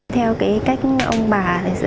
theo cái cách ông bà